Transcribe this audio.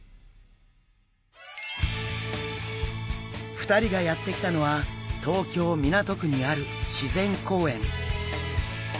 ２人がやって来たのは東京・港区にある自然公園。